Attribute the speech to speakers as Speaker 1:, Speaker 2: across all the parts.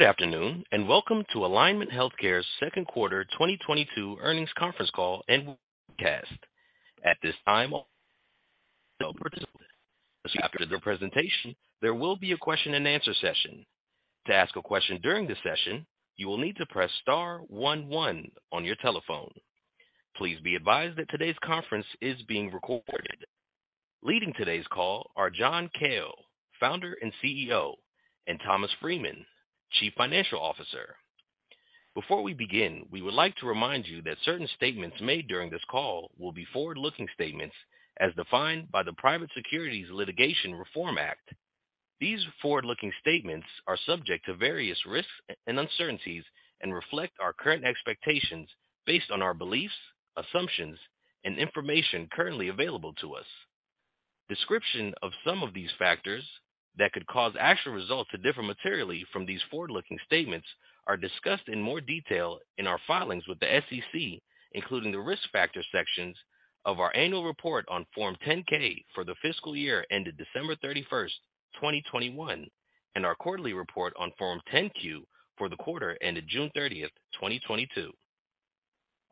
Speaker 1: Good afternoon, and welcome to Alignment Healthcare's second quarter 2022 earnings conference call and webcast. At this time after the presentation, there will be a question-and-answer session. To ask a question during the session, you will need to press star one one on your telephone. Please be advised that today's conference is being recorded. Leading today's call are John Kao, founder and CEO, and Thomas Freeman, Chief Financial Officer. Before we begin, we would like to remind you that certain statements made during this call will be forward-looking statements as defined by the Private Securities Litigation Reform Act. These forward-looking statements are subject to various risks and uncertainties and reflect our current expectations based on our beliefs, assumptions, and information currently available to us. Description of some of these factors that could cause actual results to differ materially from these forward-looking statements are discussed in more detail in our filings with the SEC, including the Risk Factor sections of our annual report on Form 10-K for the fiscal year ended December 31, 2021, and our quarterly report on Form 10-Q for the quarter ended June 30, 2022.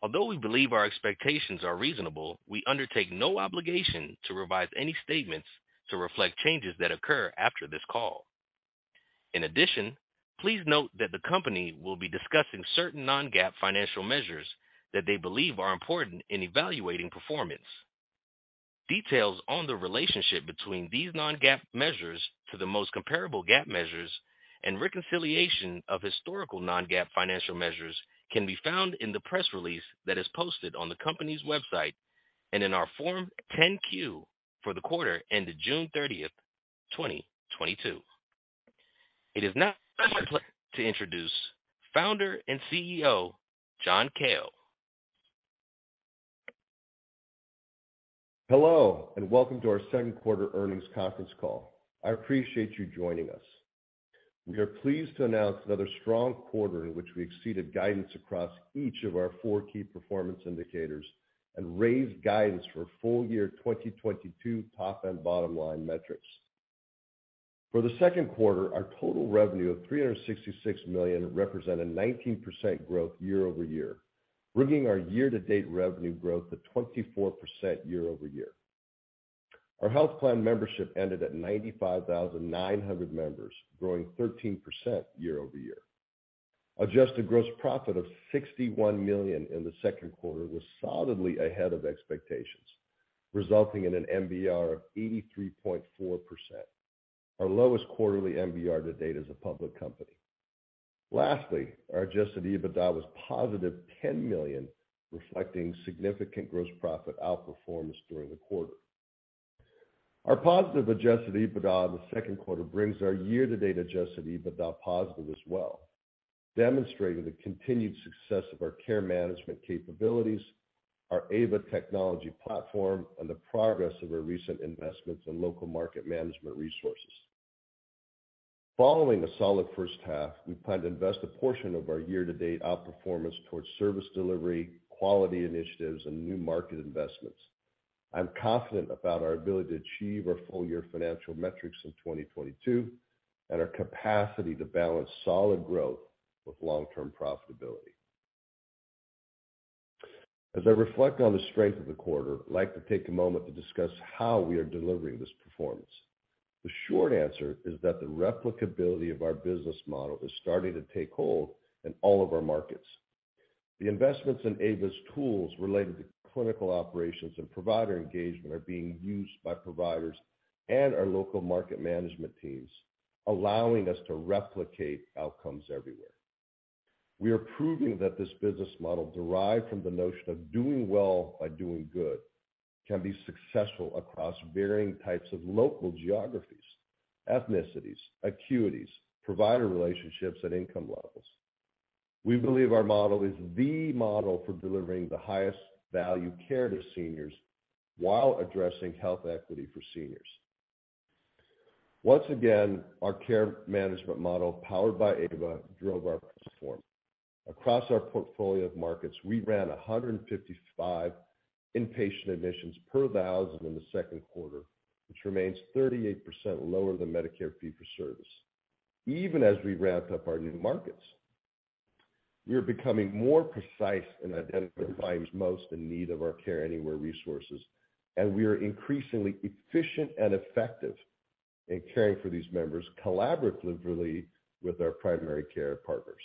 Speaker 1: Although we believe our expectations are reasonable, we undertake no obligation to revise any statements to reflect changes that occur after this call. In addition, please note that the company will be discussing certain non-GAAP financial measures that they believe are important in evaluating performance. Details on the relationship between these non-GAAP measures to the most comparable GAAP measures and reconciliation of historical non-GAAP financial measures can be found in the press release that is posted on the company's website and in our Form 10-Q for the quarter ended June 30, 2022. It is now my pleasure to introduce Founder and CEO, John Kao.
Speaker 2: Hello, and welcome to our second quarter earnings conference call. I appreciate you joining us. We are pleased to announce another strong quarter in which we exceeded guidance across each of our four key performance indicators and raised guidance for full year 2022 top and bottom line metrics. For the second quarter, our total revenue of $366 million represented 19% growth year-over-year, bringing our year-to-date revenue growth to 24% year-over-year. Our health plan membership ended at 95,900 members, growing 13% year-over-year. Adjusted gross profit of $61 million in the second quarter was solidly ahead of expectations, resulting in an MBR of 83.4%, our lowest quarterly MBR to date as a public company. Lastly, our adjusted EBITDA was +$10 million, reflecting significant gross profit outperformance during the quarter. Our positive adjusted EBITDA in the second quarter brings our year-to-date adjusted EBITDA positive as well, demonstrating the continued success of our care management capabilities, our AVA technology platform, and the progress of our recent investments in local market management resources. Following a solid first half, we plan to invest a portion of our year-to-date outperformance towards service delivery, quality initiatives, and new market investments. I'm confident about our ability to achieve our full year financial metrics in 2022 and our capacity to balance solid growth with long-term profitability. As I reflect on the strength of the quarter, I'd like to take a moment to discuss how we are delivering this performance. The short answer is that the replicability of our business model is starting to take hold in all of our markets. The investments in Ava's tools related to clinical operations and provider engagement are being used by providers and our local market management teams, allowing us to replicate outcomes everywhere. We are proving that this business model derived from the notion of doing well by doing good can be successful across varying types of local geographies, ethnicities, acuities, provider relationships, and income levels. We believe our model is the model for delivering the highest value care to seniors while addressing health equity for seniors. Once again, our care management model, powered by AVA, drove our performance. Across our portfolio of markets, we ran 155 inpatient admissions per thousand in the second quarter, which remains 38% lower than Medicare Fee-for-Service. Even as we ramp up our new markets, we are becoming more precise in identifying clients most in need of our Care Anywhere resources, and we are increasingly efficient and effective in caring for these members collaboratively with our primary care partners.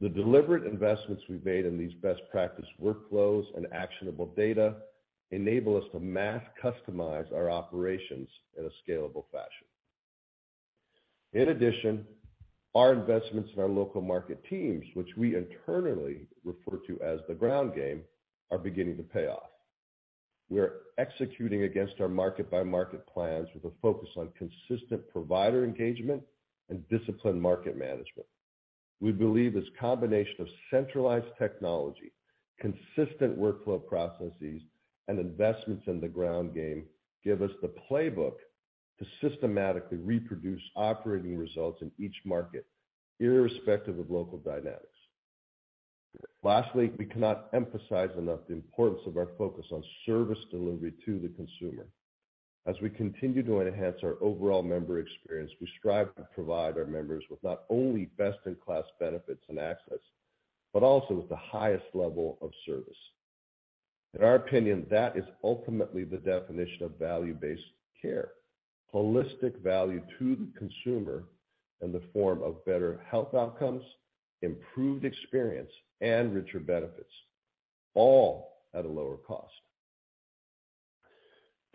Speaker 2: The deliberate investments we've made in these best practice workflows and actionable data enable us to mass customize our operations in a scalable fashion. In addition, our investments in our local market teams, which we internally refer to as the ground game, are beginning to pay off. We are executing against our market-by-market plans with a focus on consistent provider engagement and disciplined market management. We believe this combination of centralized technology, consistent workflow processes, and investments in the ground game give us the playbook to systematically reproduce operating results in each market, irrespective of local dynamics. Lastly, we cannot emphasize enough the importance of our focus on service delivery to the consumer. As we continue to enhance our overall member experience, we strive to provide our members with not only best-in-class benefits and access, but also with the highest level of service. In our opinion, that is ultimately the definition of value-based care, holistic value to the consumer in the form of better health outcomes, improved experience and richer benefits, all at a lower cost.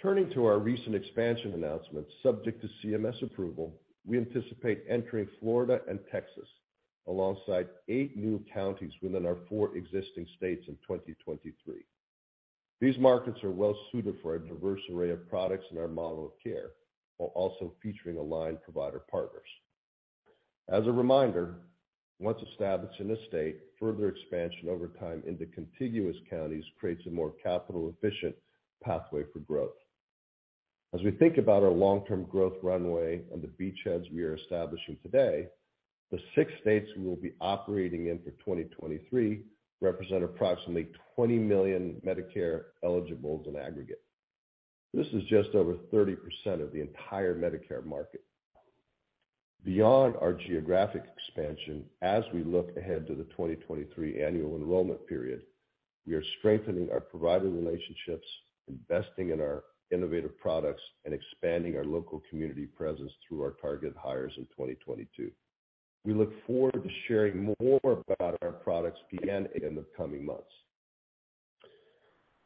Speaker 2: Turning to our recent expansion announcements, subject to CMS approval, we anticipate entering Florida and Texas alongside eight new counties within our four existing states in 2023. These markets are well suited for a diverse array of products in our model of care, while also featuring aligned provider partners. As a reminder, once established in a state, further expansion over time into contiguous counties creates a more capital efficient pathway for growth. As we think about our long-term growth runway and the beachheads we are establishing today, the six states we will be operating in for 2023 represent approximately 20 million Medicare eligibles in aggregate. This is just over 30% of the entire Medicare market. Beyond our geographic expansion, as we look ahead to the 2023 annual enrollment period, we are strengthening our provider relationships, investing in our innovative products, and expanding our local community presence through our targeted hires in 2022. We look forward to sharing more about our products and plans in the coming months.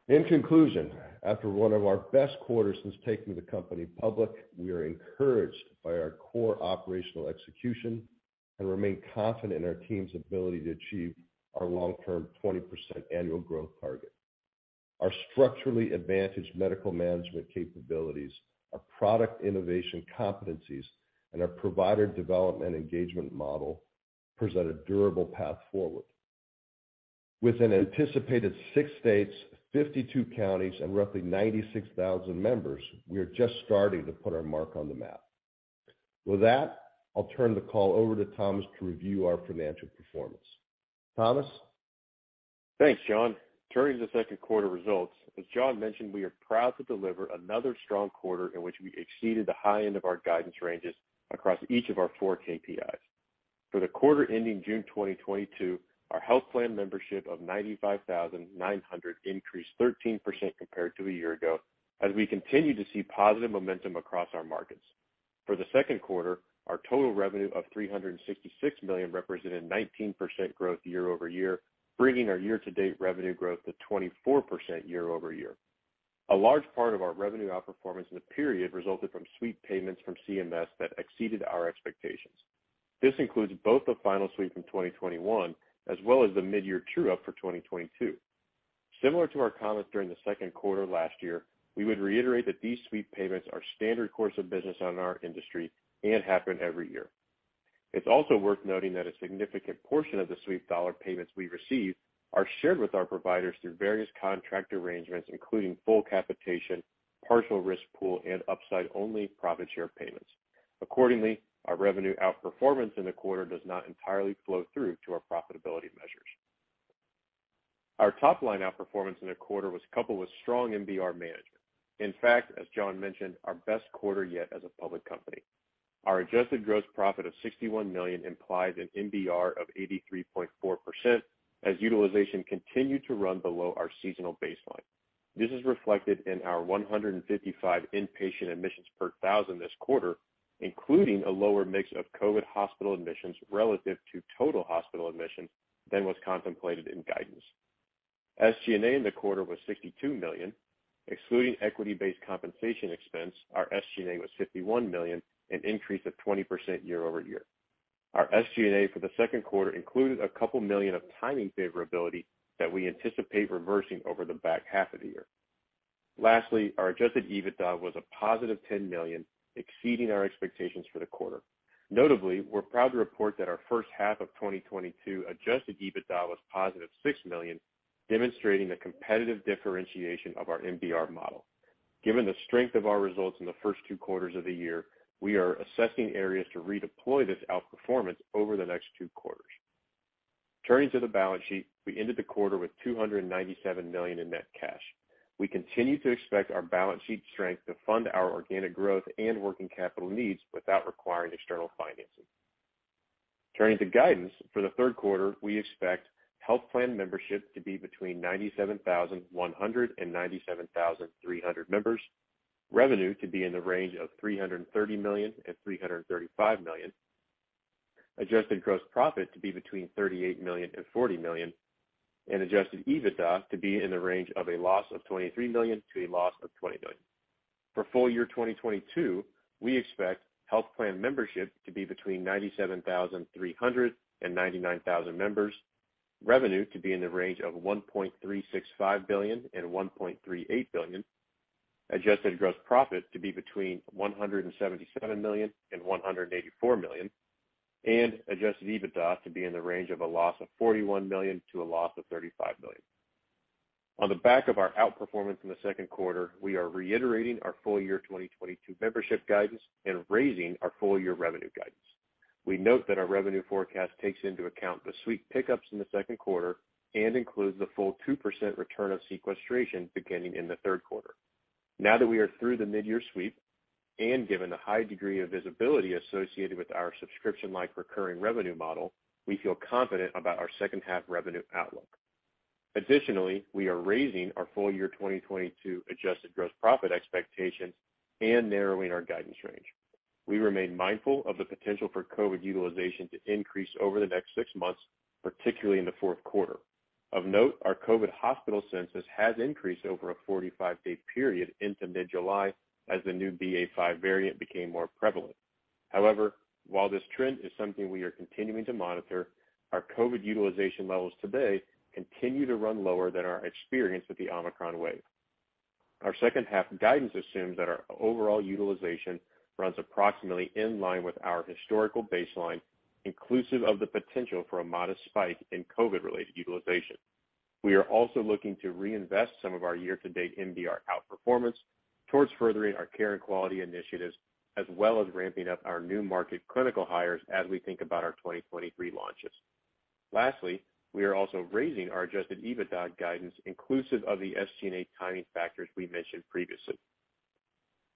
Speaker 2: In conclusion, after one of our best quarters since taking the company public, we are encouraged by our core operational execution and remain confident in our team's ability to achieve our long-term 20% annual growth target. Our structurally advantaged medical management capabilities, our product innovation competencies, and our provider development engagement model present a durable path forward. With an anticipated six states, 52 counties, and roughly 96,000 members, we are just starting to put our mark on the map. With that, I'll turn the call over to Thomas to review our financial performance. Thomas?
Speaker 3: Thanks, John. Turning to the second quarter results, as John mentioned, we are proud to deliver another strong quarter in which we exceeded the high end of our guidance ranges across each of our four KPIs. For the quarter ending June 2022, our health plan membership of 95,900 increased 13% compared to a year ago, as we continue to see positive momentum across our markets. For the second quarter, our total revenue of $366 million represented 19% growth year-over-year, bringing our year-to-date revenue growth to 24% year-over-year. A large part of our revenue outperformance in the period resulted from sweep payments from CMS that exceeded our expectations. This includes both the final sweep from 2021, as well as the mid-year true-up for 2022. Similar to our comments during the second quarter last year, we would reiterate that these sweep payments are standard course of business on our industry and happen every year. It's also worth noting that a significant portion of the sweep dollar payments we receive are shared with our providers through various contract arrangements, including full capitation, partial risk pool, and upside only profit share payments. Accordingly, our revenue outperformance in the quarter does not entirely flow through to our profitability measures. Our top line outperformance in the quarter was coupled with strong MBR management. In fact, as John mentioned, our best quarter yet as a public company. Our adjusted gross profit of $61 million implies an MBR of 83.4%, as utilization continued to run below our seasonal baseline. This is reflected in our 155 inpatient admissions per thousand this quarter, including a lower mix of COVID hospital admissions relative to total hospital admissions than was contemplated in guidance. SG&A in the quarter was $62 million. Excluding equity-based compensation expense, our SG&A was $51 million, an increase of 20% year-over-year. Our SG&A for the second quarter included a couple million of timing favorability that we anticipate reversing over the back half of the year. Lastly, our adjusted EBITDA was a positive $10 million, exceeding our expectations for the quarter. Notably, we're proud to report that our first half of 2022 adjusted EBITDA was positive $6 million, demonstrating the competitive differentiation of our MBR model. Given the strength of our results in the first two quarters of the year, we are assessing areas to redeploy this outperformance over the next two quarters. Turning to the balance sheet, we ended the quarter with $297 million in net cash. We continue to expect our balance sheet strength to fund our organic growth and working capital needs without requiring external financing. Turning to guidance, for the third quarter, we expect health plan membership to be between 97,100 and 97,300 members, revenue to be in the range of $330 million-$335 million, adjusted gross profit to be between $38 million-$40 million, and adjusted EBITDA to be in the range of a loss of $23 million to a loss of $20 million. For full year 2022, we expect health plan membership to be between 97,300 and 99,000 members, revenue to be in the range of $1.365 billion-$1.38 billion, adjusted gross profit to be between $177 million and $184 million, and adjusted EBITDA to be in the range of a loss of $41 million to a loss of $35 million. On the back of our outperformance in the second quarter, we are reiterating our full year 2022 membership guidance and raising our full year revenue guidance. We note that our revenue forecast takes into account the risk pickups in the second quarter and includes the full 2% return of sequestration beginning in the third quarter. Now that we are through the mid-year sweep, and given the high degree of visibility associated with our subscription-like recurring revenue model, we feel confident about our second half revenue outlook. Additionally, we are raising our full year 2022 adjusted gross profit expectations and narrowing our guidance range. We remain mindful of the potential for COVID utilization to increase over the next six months, particularly in the fourth quarter. Of note, our COVID hospital census has increased over a 45-day period into mid-July as the new BA.5 variant became more prevalent. However, while this trend is something we are continuing to monitor, our COVID utilization levels today continue to run lower than our experience with the Omicron wave. Our second half guidance assumes that our overall utilization runs approximately in line with our historical baseline, inclusive of the potential for a modest spike in COVID-related utilization. We are also looking to reinvest some of our year-to-date MBR outperformance towards furthering our care and quality initiatives, as well as ramping up our new market clinical hires as we think about our 2023 launches. Lastly, we are also raising our adjusted EBITDA guidance inclusive of the SG&A timing factors we mentioned previously.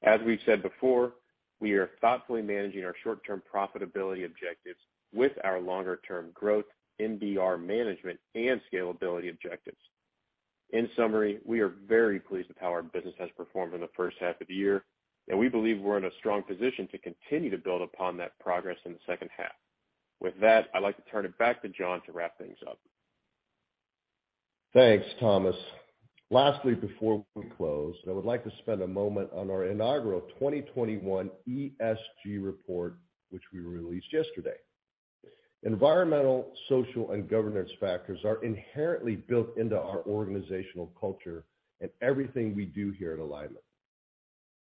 Speaker 3: As we've said before, we are thoughtfully managing our short-term profitability objectives with our longer-term growth MBR management and scalability objectives. In summary, we are very pleased with how our business has performed in the first half of the year, and we believe we're in a strong position to continue to build upon that progress in the second half. With that, I'd like to turn it back to John to wrap things up.
Speaker 2: Thanks, Thomas. Lastly, before we close, I would like to spend a moment on our inaugural 2021 ESG report, which we released yesterday. Environmental, social, and governance factors are inherently built into our organizational culture and everything we do here at Alignment.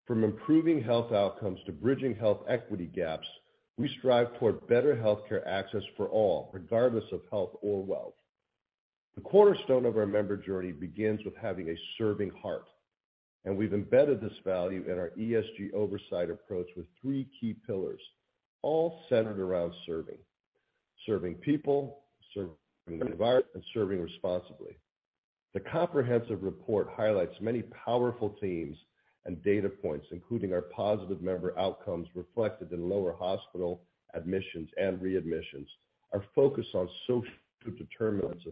Speaker 2: From improving health outcomes to bridging health equity gaps, we strive toward better healthcare access for all, regardless of health or wealth. The cornerstone of our member journey begins with having a serving heart, and we've embedded this value in our ESG oversight approach with three key pillars, all centered around, serving people, serving the environment, and serving responsibly. The comprehensive report highlights many powerful themes and data points, including our positive member outcomes reflected in lower hospital admissions and readmissions, our focus on social determinants,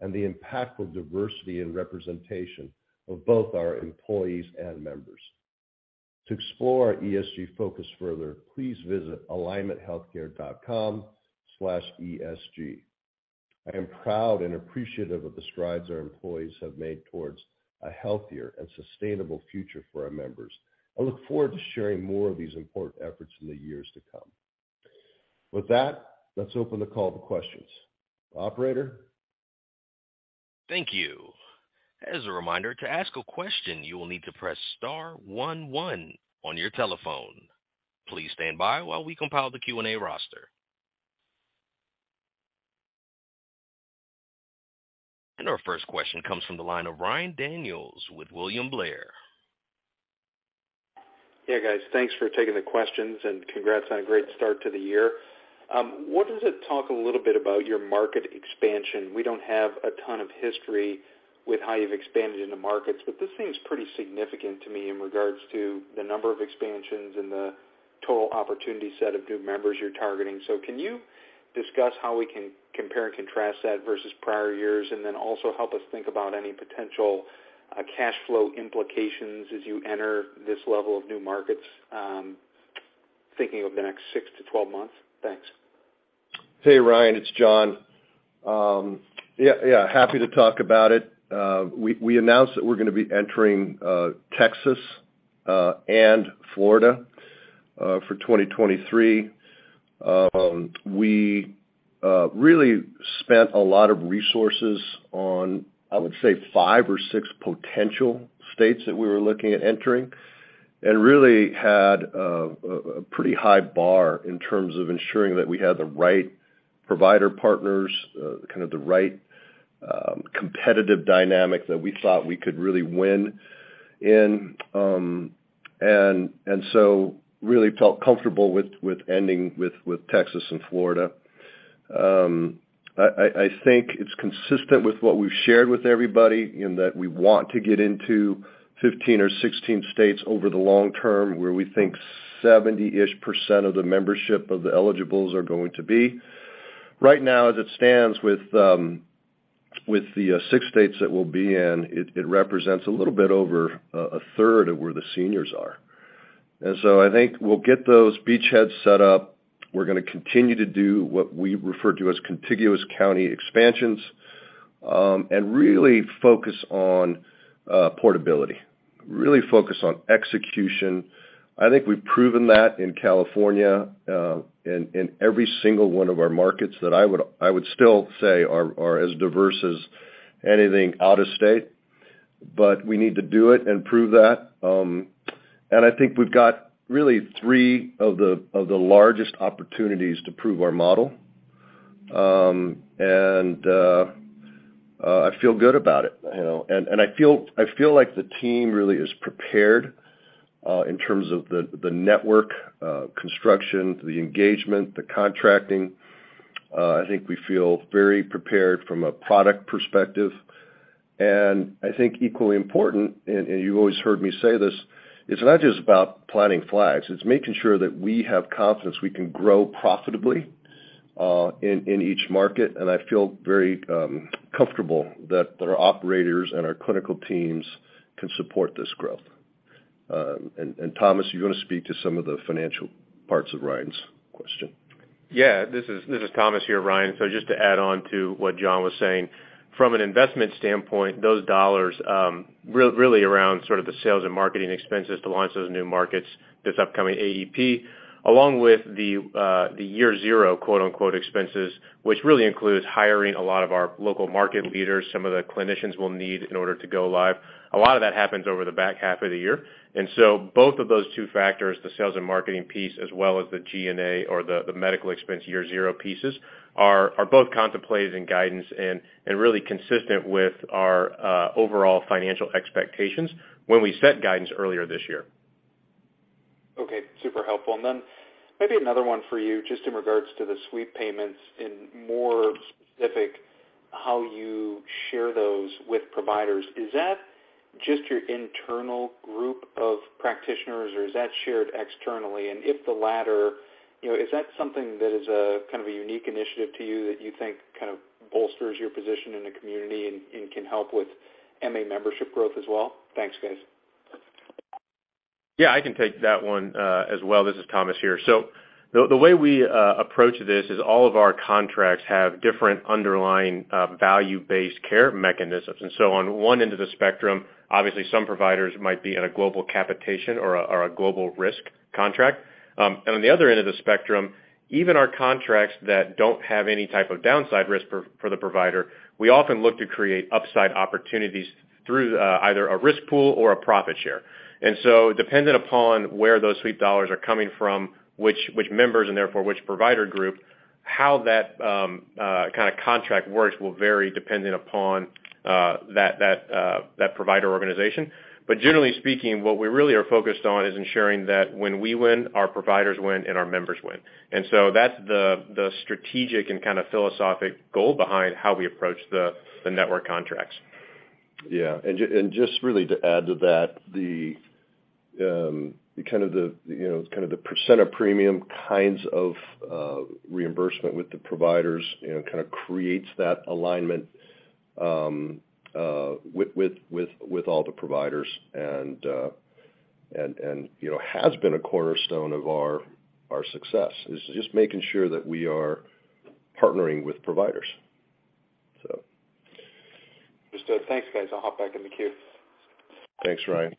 Speaker 2: and the impact of diversity and representation of both our employees and members. To explore our ESG focus further, please visit alignmenthealthcare.com/esg. I am proud and appreciative of the strides our employees have made towards a healthier and sustainable future for our members. I look forward to sharing more of these important efforts in the years to come. With that, let's open the call to questions. Operator?
Speaker 1: Thank you. As a reminder, to ask a question, you will need to press star one one on your telephone. Please stand by while we compile the Q&A roster. Our first question comes from the line of Ryan Daniels with William Blair.
Speaker 4: Yeah, guys. Thanks for taking the questions, and congrats on a great start to the year. Wanted to talk a little bit about your market expansion. We don't have a ton of history with how you've expanded into markets, but this seems pretty significant to me in regards to the number of expansions and the total opportunity set of new members you're targeting. Can you discuss how we can compare and contrast that versus prior years? Also help us think about any potential, cash flow implications as you enter this level of new markets, thinking of the next six-12 months? Thanks.
Speaker 2: Hey, Ryan, it's John. Happy to talk about it. We announced that we're gonna be entering Texas and Florida for 2023. We really spent a lot of resources on, I would say, five or six potential states that we were looking at entering, and really had a pretty high bar in terms of ensuring that we had the right provider partners, kind of the right competitive dynamic that we thought we could really win in. Really felt comfortable with ending with Texas and Florida. I think it's consistent with what we've shared with everybody in that we want to get into 15 or 16 states over the long term, where we think 70-ish% of the membership of the eligibles are going to be. Right now as it stands with the six states that we'll be in, it represents a little bit over 1/3 of where the seniors are. I think we'll get those beachheads set up. We're gonna continue to do what we refer to as contiguous county expansions, and really focus on portability, really focus on execution. I think we've proven that in California, in every single one of our markets that I would still say are as diverse as anything out of state. We need to do it and prove that. I think we've got really three of the largest opportunities to prove our model, and I feel good about it, you know. I feel like the team really is prepared in terms of the network construction, the engagement, the contracting. I think we feel very prepared from a product perspective. I think equally important, and you always heard me say this, it's not just about planting flags, it's making sure that we have confidence we can grow profitably in each market. I feel very comfortable that our operators and our clinical teams can support this growth. Thomas, you're gonna speak to some of the financial parts of Ryan's question.
Speaker 3: Yeah. This is Thomas here, Ryan. Just to add on to what John was saying, from an investment standpoint, those dollars really around sort of the sales and marketing expenses to launch those new markets this upcoming AEP, along with the year zero quote-unquote, "expenses," which really includes hiring a lot of our local market leaders, some of the clinicians we'll need in order to go live. A lot of that happens over the back half of the year. Both of those two factors, the sales and marketing piece, as well as the G&A or the medical expense year zero pieces, are both contemplated in guidance and really consistent with our overall financial expectations when we set guidance earlier this year.
Speaker 4: Okay, super helpful. Maybe another one for you just in regards to the sweep payments, and more specific, how you share those with providers. Is that just your internal group of practitioners, or is that shared externally? If the latter, you know, is that something that is a kind of a unique initiative to you that you think kind of bolsters your position in the community and can help with MA membership growth as well? Thanks, guys.
Speaker 3: Yeah, I can take that one as well. This is Thomas here. The way we approach this is all of our contracts have different underlying value-based care mechanisms. On one end of the spectrum, obviously some providers might be at a global capitation or a global risk contract. On the other end of the spectrum, even our contracts that don't have any type of downside risk for the provider, we often look to create upside opportunities through either a risk pool or a profit share. Dependent upon where those sweep dollars are coming from, which members and therefore which provider group, how that kinda contract works will vary depending upon that provider organization. Generally speaking, what we really are focused on is ensuring that when we win, our providers win and our members win. That's the strategic and kind of philosophic goal behind how we approach the network contracts.
Speaker 2: Yeah. Just really to add to that, the kind of percent of premium kinds of reimbursement with the providers, you know, kind of creates that alignment with all the providers, and you know has been a cornerstone of our success, is just making sure that we are partnering with providers.
Speaker 4: Understood. Thanks, guys. I'll hop back in the queue.
Speaker 2: Thanks, Ryan.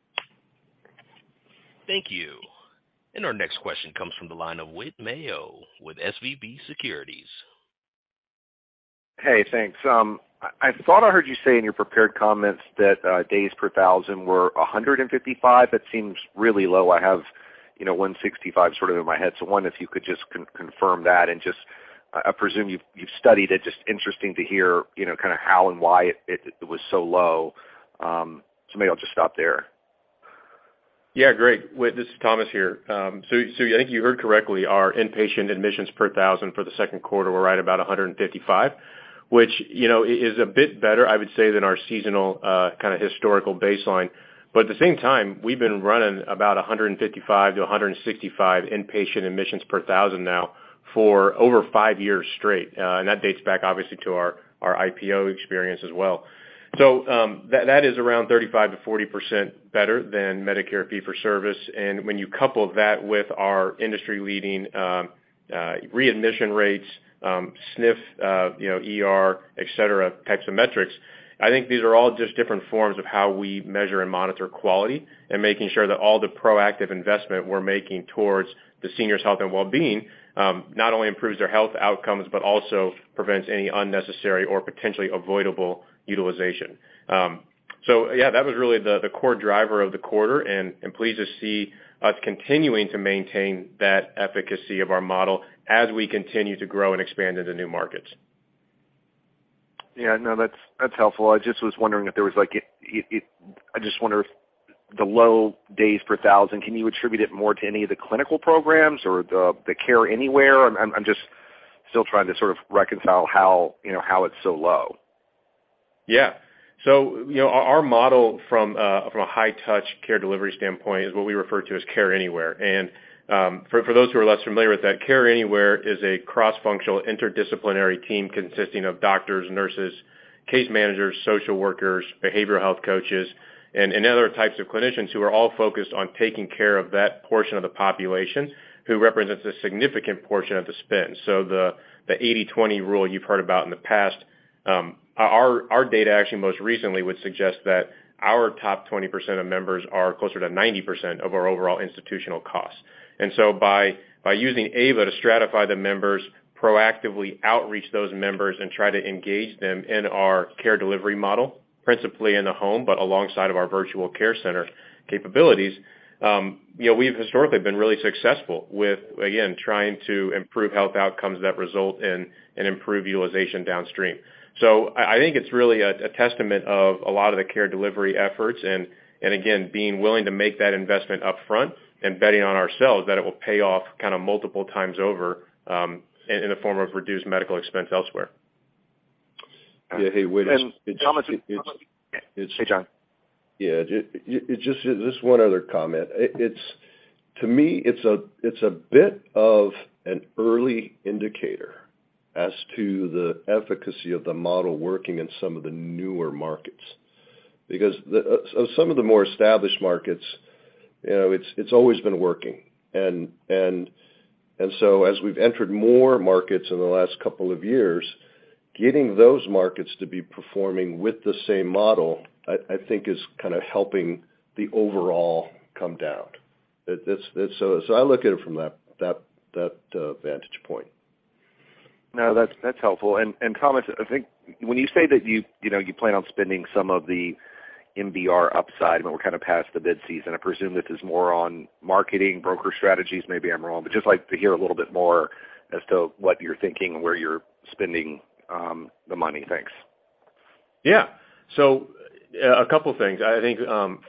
Speaker 1: Thank you. Our next question comes from the line of Whit Mayo with SVB Securities.
Speaker 5: Hey, thanks. I thought I heard you say in your prepared comments that days per thousand were 155. That seems really low. I have, you know, 165 sort of in my head. So, one, if you could just confirm that and just I presume you've studied it. Just interesting to hear, you know, kinda how and why it was so low. So maybe I'll just stop there.
Speaker 3: Yeah, great. Whit, this is Thomas here. I think you heard correctly our inpatient admissions per thousand for the second quarter were right about 155, which, you know, is a bit better, I would say, than our seasonal kinda historical baseline. At the same time, we've been running about 155 to 165 inpatient admissions per thousand now for over five years straight. That dates back obviously to our IPO experience as well. That is around 35%-40% better than Medicare Fee-for-Service. When you couple that with our industry-leading readmission rates, SNF, you know, ER, et cetera, types of metrics, I think these are all just different forms of how we measure and monitor quality, and making sure that all the proactive investment we're making towards the seniors' health and wellbeing not only improves their health outcomes, but also prevents any unnecessary or potentially avoidable utilization. Yeah, that was really the core driver of the quarter, and pleased to see us continuing to maintain that efficacy of our model as we continue to grow and expand into new markets.
Speaker 5: Yeah. No, that's helpful. I just wonder if the low days per thousand, can you attribute it more to any of the clinical programs or the Care Anywhere? I'm just still trying to sort of reconcile how, you know, how it's so low.
Speaker 3: Yeah. So, you know, our model from a high touch care delivery standpoint is what we refer to as Care Anywhere. For those who are less familiar with that, Care Anywhere is a cross-functional interdisciplinary team consisting of doctors, nurses, case managers, social workers, behavioral health coaches, and other types of clinicians who are all focused on taking care of that portion of the population who represents a significant portion of the spend. The 80/20 rule you've heard about in the past, our data actually most recently would suggest that our top 20% of members are closer to 90% of our overall institutional costs. By using AVA to stratify the members, proactively outreach those members and try to engage them in our care delivery model, principally in the home, but alongside of our virtual care center capabilities, you know, we've historically been really successful with, again, trying to improve health outcomes that result in an improved utilization downstream. I think it's really a testament of a lot of the care delivery efforts and again, being willing to make that investment upfront and betting on ourselves that it will pay off kind of multiple times over, in the form of reduced medical expense elsewhere.
Speaker 2: Yeah. Just one other comment. To me, it's a bit of an early indicator as to the efficacy of the model working in some of the newer markets. Because some of the more established markets, you know, it's always been working. So as we've entered more markets in the last couple of years, getting those markets to be performing with the same model, I think is kind of helping the overall come down. That's— So I look at it from that vantage point.
Speaker 5: No, that's helpful. Thomas, I think when you say that you plan on spending some of the MBR upside, but we're kind of past the bid season, I presume this is more on marketing broker strategies. Maybe I'm wrong, but just like to hear a little bit more as to what you're thinking, where you're spending, the money. Thanks.
Speaker 3: Yeah. A couple things. I think,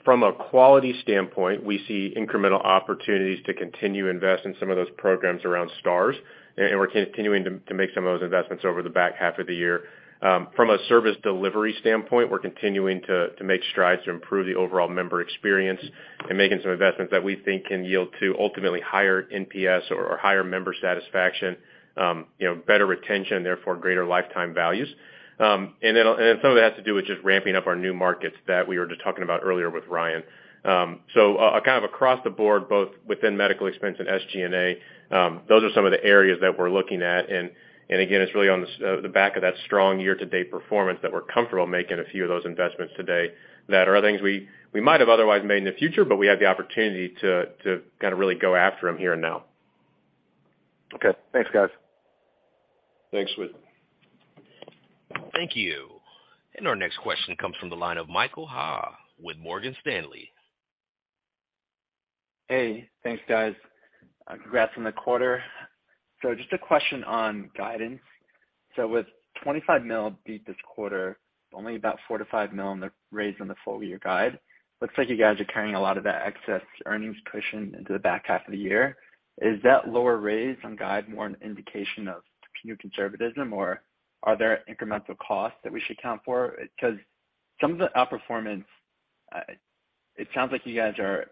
Speaker 3: from a quality standpoint, we see incremental opportunities to continue to invest in some of those programs around Stars, and we're continuing to make some of those investments over the back half of the year. From a service delivery standpoint, we're continuing to make strides to improve the overall member experience and making some investments that we think can lead to ultimately higher NPS or higher member satisfaction, you know, better retention, therefore greater lifetime values. Then, some of it has to do with just ramping up our new markets that we were just talking about earlier with Ryan. Kind of across the board, both within medical expense and SG&A, those are some of the areas that we're looking at. Again, it's really on the back of that strong year-to-date performance that we're comfortable making a few of those investments today that are things we might have otherwise made in the future, but we have the opportunity to kind of really go after them here and now.
Speaker 5: Okay. Thanks, guys.
Speaker 2: Thanks, Whit.
Speaker 1: Thank you. Our next question comes from the line of Michael Ha with Morgan Stanley.
Speaker 6: Hey. Thanks, guys. Congrats on the quarter. Just a question on guidance. With $25 million beat this quarter, only about $4 million-$5 million on the raise on the full year guide, looks like you guys are carrying a lot of that excess earnings cushion into the back half of the year. Is that lower raise on guide more an indication of new conservatism, or are there incremental costs that we should account for? Because some of the outperformance, it sounds like you guys are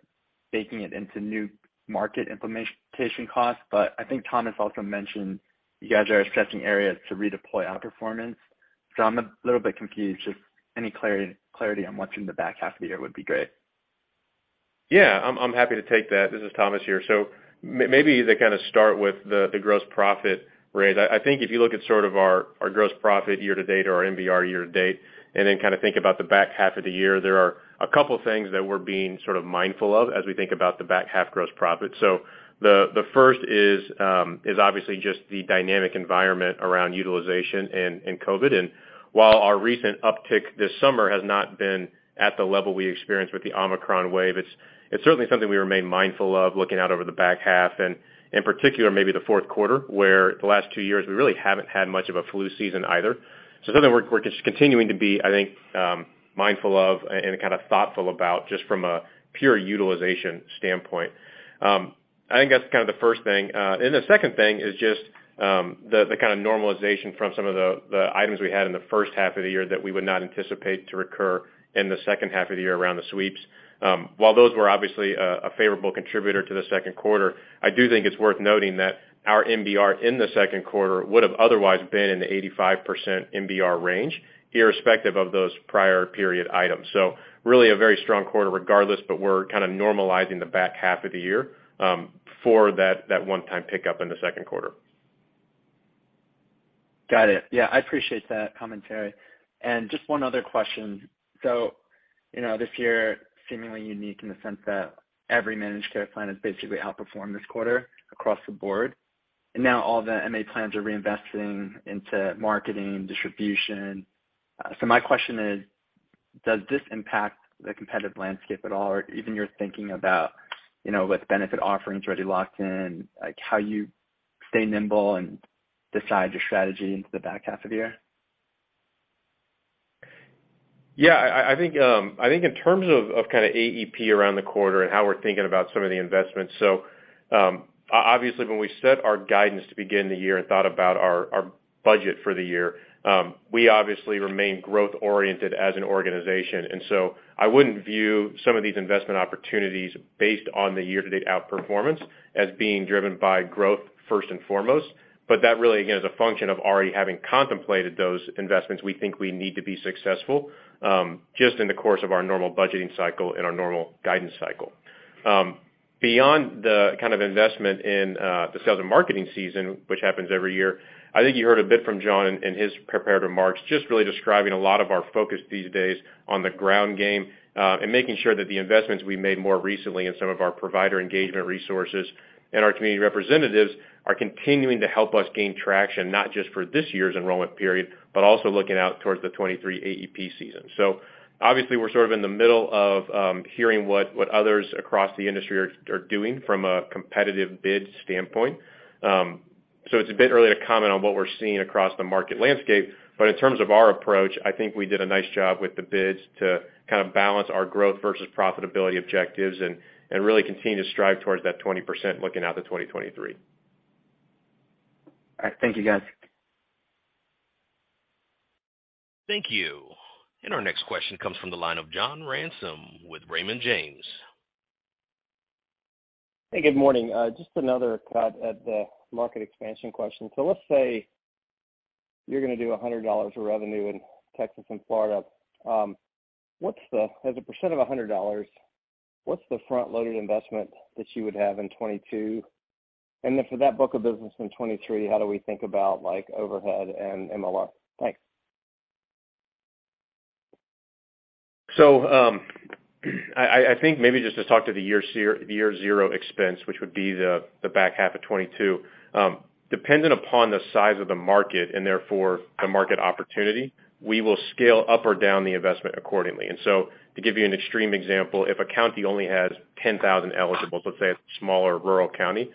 Speaker 6: baking it into new market implementation costs, but I think Thomas also mentioned you guys are stretching areas to redeploy outperformance. I'm a little bit confused. Just any clarity on what's in the back half of the year would be great.
Speaker 3: Yeah. I'm happy to take that. This is Thomas here. Maybe to kind of start with the gross profit raise. I think if you look at sort of our gross profit year-to-date or our MBR year-to-date, and then kind of think about the back half of the year, there are a couple things that we're being sort of mindful of as we think about the back half gross profit. The first is obviously just the dynamic environment around utilization and COVID. While our recent uptick this summer has not been at the level we experienced with the Omicron wave, it's certainly something we remain mindful of looking out over the back half, and in particular, maybe the fourth quarter, where the last two years we really haven't had much of a flu season either. Something we're just continuing to be, I think, mindful of and kind of thoughtful about just from a pure utilization standpoint. I think that's kind of the first thing. The second thing is just the kind of normalization from some of the items we had in the first half of the year that we would not anticipate to recur in the second half of the year around the sweeps. While those were obviously a favorable contributor to the second quarter, I do think it's worth noting that our MBR in the second quarter would have otherwise been in the 85% MBR range, irrespective of those prior period items. Really a very strong quarter regardless, but we're kind of normalizing the back half of the year for that one-time pickup in the second quarter.
Speaker 6: Got it. Yeah, I appreciate that commentary. Just one other question. You know, this year seemingly unique in the sense that every managed care plan has basically outperformed this quarter across the board, and now all the MA plans are reinvesting into marketing, distribution. My question is, does this impact the competitive landscape at all, or even your thinking about, you know, with benefit offerings already locked in, like how you stay nimble and decide your strategy into the back half of the year?
Speaker 3: Yeah. I think in terms of kind of AEP around the quarter and how we're thinking about some of the investments. Obviously, when we set our guidance to begin the year and thought about our budget for the year, we obviously remain growth-oriented as an organization. I wouldn't view some of these investment opportunities based on the year-to-date outperformance as being driven by growth first and foremost. That really, again, is a function of already having contemplated those investments we think we need to be successful, just in the course of our normal budgeting cycle and our normal guidance cycle. Beyond the kind of investment in the sales and marketing season, which happens every year, I think you heard a bit from John in his prepared remarks, just really describing a lot of our focus these days on the ground game, and making sure that the investments we made more recently in some of our provider engagement resources and our community representatives are continuing to help us gain traction, not just for this year's enrollment period, but also looking out towards the 2023 AEP season. Obviously we're sort of in the middle of hearing what others across the industry are doing from a competitive bid standpoint. It's a bit early to comment on what we're seeing across the market landscape, but in terms of our approach, I think we did a nice job with the bids to kind of balance our growth versus profitability objectives and really continue to strive towards that 20% looking out to 2023.
Speaker 6: All right. Thank you, guys.
Speaker 1: Thank you. Our next question comes from the line of John Ransom with Raymond James.
Speaker 7: Hey, good morning. Just another cut at the market expansion question. Let's say you're gonna do $100 of revenue in Texas and Florida. What's the, as a percent of $100, what's the front-loaded investment that you would have in 2022? Then for that book of business in 2023, how do we think about like overhead and MLR? Thanks.
Speaker 3: I think maybe just to talk to the year zero expense, which would be the back half of 2022, dependent upon the size of the market and therefore the market opportunity, we will scale up or down the investment accordingly. To give you an extreme example, if a county only has 10,000 eligibles, let's say a smaller rural county,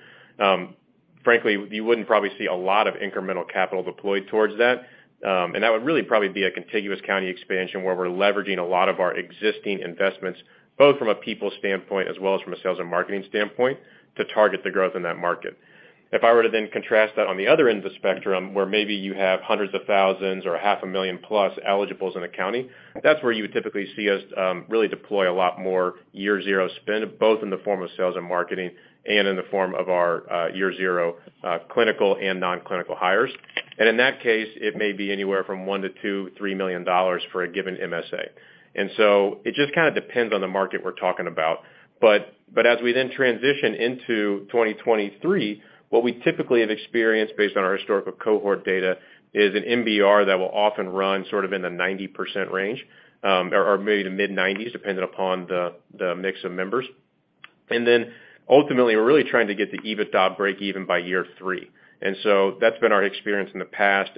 Speaker 3: frankly, you wouldn't probably see a lot of incremental capital deployed towards that. That would really probably be a contiguous county expansion where we're leveraging a lot of our existing investments, both from a people standpoint as well as from a sales and marketing standpoint, to target the growth in that market. If I were to then contrast that on the other end of the spectrum, where maybe you have hundreds of thousands or 500,00+ eligibles in a county, that's where you would typically see us really deploy a lot more year zero spend, both in the form of sales and marketing and in the form of our year zero clinical and non-clinical hires. In that case, it may be anywhere from $1 million-$2 million, $3 million for a given MSA. It just kind of depends on the market we're talking about. But as we then transition into 2023, what we typically have experienced based on our historical cohort data is an MBR that will often run sort of in the 90% range, or maybe the mid-90s%, depending upon the mix of members. Ultimately, we're really trying to get the EBITDA breakeven by year three. That's been our experience in the past,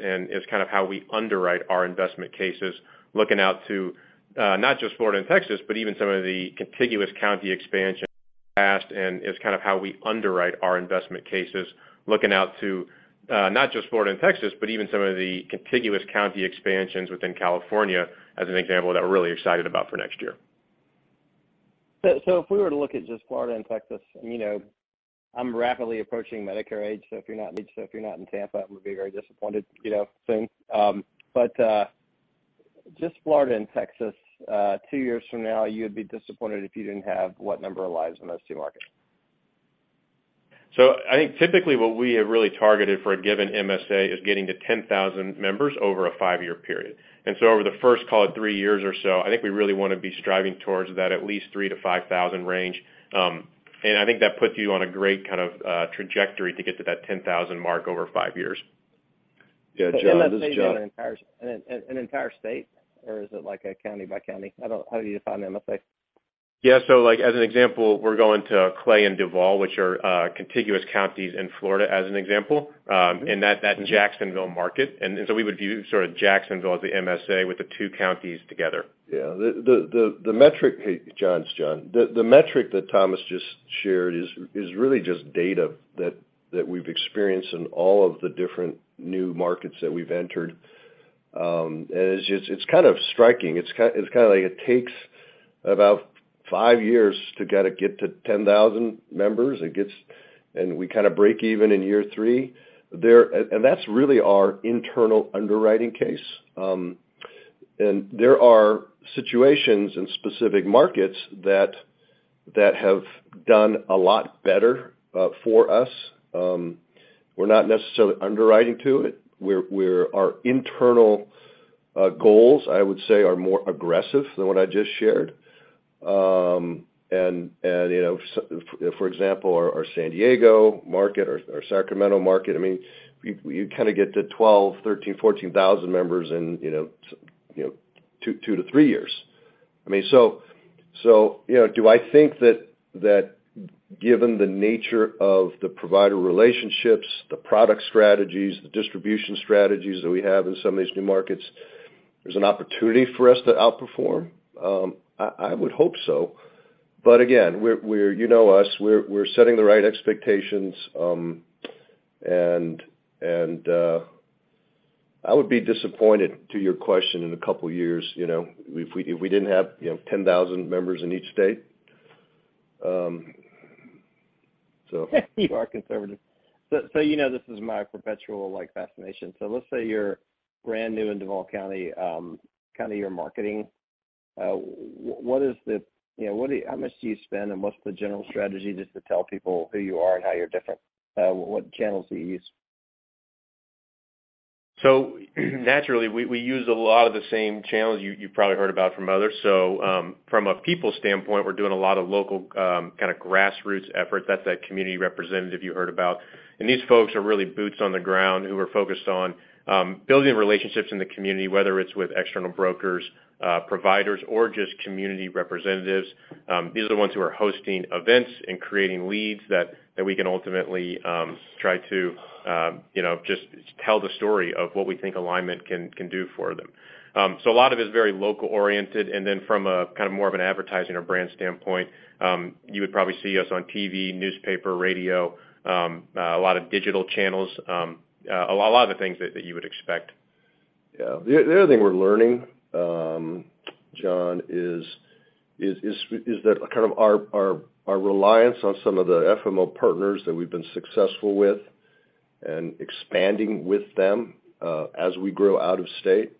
Speaker 3: and it's kind of how we underwrite our investment cases looking out to, not just Florida and Texas, but even some of the contiguous county expansions within California, as an example, that we're really excited about for next year.
Speaker 7: If we were to look at just Florida and Texas, and, you know, I'm rapidly approaching Medicare age, so if you're not in Tampa, I'm gonna be very disappointed, you know, soon. Just Florida and Texas, two years from now, you'd be disappointed if you didn't have what number of lives in those two markets?
Speaker 3: I think typically what we have really targeted for a given MSA is getting to 10,000 members over a five-year period. Over the first, call it three years or so, I think we really wanna be striving towards that at least 3,000-5,000 range. I think that puts you on a great kind of trajectory to get to that 10,000 mark over five years.
Speaker 2: Yeah, John, this is John.
Speaker 7: That MSA an entire state, or is it like a county by county? I don't know how do you define MSA?
Speaker 3: Yeah. Like as an example, we're going to Clay and Duval, which are contiguous counties in Florida as an example, in that Jacksonville market. We would view sort of Jacksonville as the MSA with the two counties together.
Speaker 2: Yeah. The metric. Hey, John, it's John. The metric that Thomas just shared is really just data that we've experienced in all of the different new markets that we've entered. It's kind of striking. It's kind of like it takes about five years to kind of get to 10,000 members. We kind of break even in year three. And that's really our internal underwriting case. There are situations in specific markets that have done a lot better for us. We're not necessarily underwriting to it. Our internal goals, I would say, are more aggressive than what I just shared. For example, our San Diego market, our Sacramento market, I mean, you kinda get to 12,000, 13,000, 14,000 members in, you know, two-three years. I mean, you know, do I think that given the nature of the provider relationships, the product strategies, the distribution strategies that we have in some of these new markets, there's an opportunity for us to outperform? I would hope so. Again, we're, you know us, we're setting the right expectations. I would be disappointed, to your question, in a couple of years, you know, if we didn't have, you know, 10,000 members in each state. So.
Speaker 7: You are conservative. You know, this is my perpetual, like, fascination. Let's say you're brand new in Duval County. Kind of you're marketing. What is the, you know, how much do you spend, and what's the general strategy just to tell people who you are and how you're different? What channels do you use?
Speaker 3: Naturally, we use a lot of the same channels you probably heard about from others. From a people standpoint, we're doing a lot of local, kinda grassroots effort. That's the community representative you heard about. These folks are really boots on the ground who are focused on building relationships in the community, whether it's with external brokers, providers, or just community representatives. These are the ones who are hosting events and creating leads that we can ultimately try to, you know, just tell the story of what we think Alignment can do for them. A lot of it is very local-oriented, and then from a kind of more of an advertising or brand standpoint, you would probably see us on TV, newspaper, radio, a lot of digital channels, a lot of the things that you would expect.
Speaker 2: Yeah. The other thing we're learning, John, is that kind of our reliance on some of the FMO partners that we've been successful with and expanding with them, as we grow out-of-state,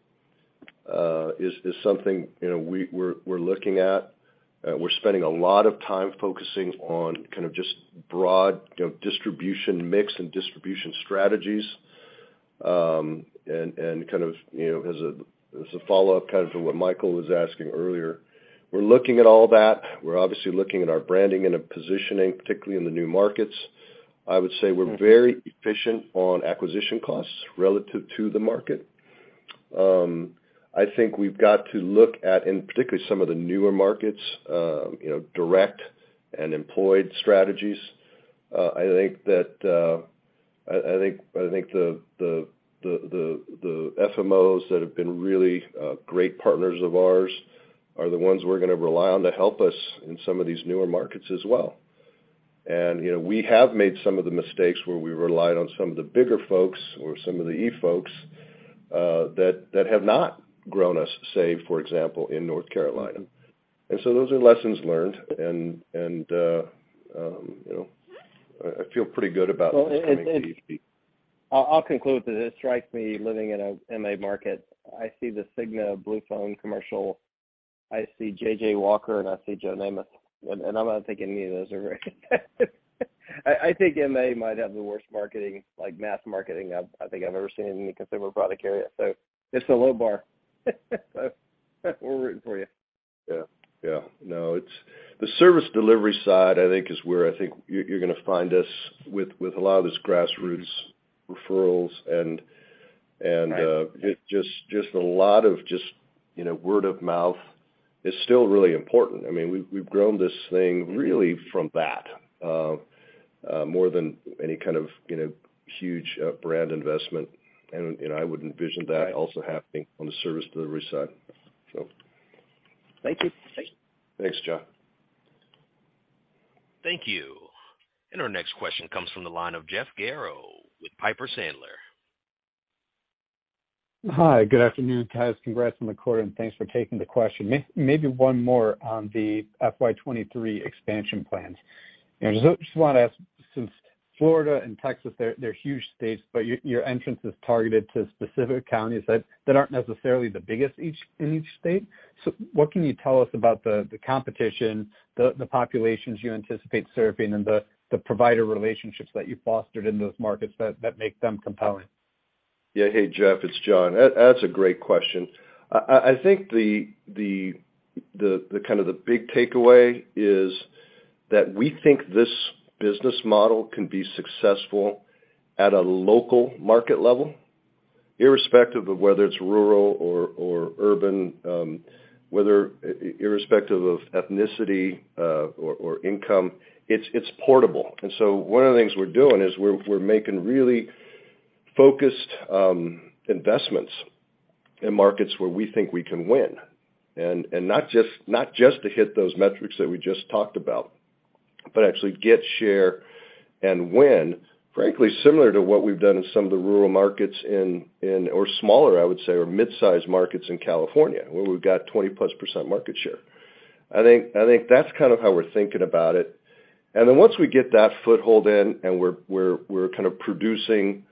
Speaker 2: is something, you know, we're looking at. We're spending a lot of time focusing on kind of just broad, you know, distribution mix and distribution strategies. Kind of, you know, as a follow-up kind of to what Michael was asking earlier, we're looking at all that. We're obviously looking at our branding and our positioning, particularly in the new markets. I would say we're very efficient on acquisition costs relative to the market. I think we've got to look at, and particularly some of the newer markets, you know, direct and employed strategies. I think the FMOs that have been really great partners of ours are the ones we're gonna rely on to help us in some of these newer markets as well. You know, we have made some of the mistakes where we relied on some of the bigger folks or some of the e-folks that have not grown us, say, for example, in North Carolina. Those are lessons learned. You know, I feel pretty good about this coming to you, Stephen Tanal.
Speaker 7: Well, I'll conclude that it strikes me living in a MA market. I see the Cigna Blue Phone commercial. I see JJ Walker, and I see Joe Namath. I'm not thinking any of those are— I think MA might have the worst marketing, like mass marketing I think I've ever seen in the consumer product area. It's a low bar. We're rooting for you.
Speaker 2: Yeah. Yeah. No, it's the service delivery side, I think, is where I think you're gonna find us with a lot of this grassroots referrals and just a lot of just, you know, word-of-mouth is still really important. I mean, we've grown this thing really from that more than any kind of, you know, huge brand investment. You know, I would envision that also happening on the service delivery side.
Speaker 7: Thank you.
Speaker 2: Thanks, John.
Speaker 1: Thank you. Our next question comes from the line of Jeff Garro with Piper Sandler.
Speaker 8: Hi. Good afternoon, guys. Congrats on the quarter, and thanks for taking the question. Maybe one more on the FY 2023 expansion plans. You know, just wanted to ask, since Florida and Texas, they're huge states, but your entrance is targeted to specific counties that aren't necessarily the biggest each in each state. So what can you tell us about the competition, the populations you anticipate serving, and the provider relationships that you fostered in those markets that make them compelling?
Speaker 2: Yeah. Hey, Jeff, it's John. That's a great question. I think the big takeaway is that we think this business model can be successful at a local market level, irrespective of whether it's rural or urban, irrespective of ethnicity, or income, it's portable. One of the things we're doing is we're making really focused investments in markets where we think we can win. Not just to hit those metrics that we just talked about, but actually get share and win, frankly, similar to what we've done in some of the rural markets in or smaller, I would say, or mid-sized markets in California, where we've got 20%+ market share. I think that's kind of how we're thinking about it. Then once we get that foothold in and we're kind of producing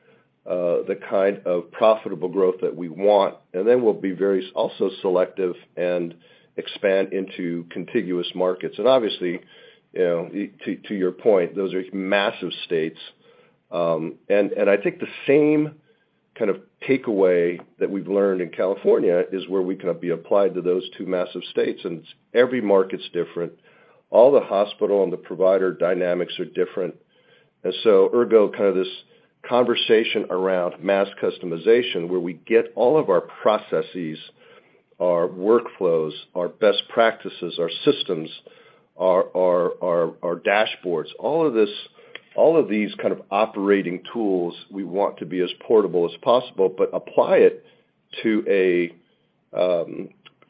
Speaker 2: the kind of profitable growth that we want, and then we'll be very also selective and expand into contiguous markets. Obviously, you know, to your point, those are massive states. I think the same kind of takeaway that we've learned in California is where we kind of can be applied to those two massive states, and every market's different. All the hospital and the provider dynamics are different. Ergo, kind of this conversation around mass customization, where we get all of our processes, our workflows, our best practices, our systems, our dashboards, all of this, all of these kind of operating tools we want to be as portable as possible, but apply it to a,